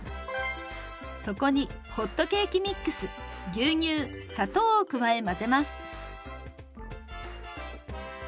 そこにホットケーキミックス牛乳砂糖を加え混ぜます。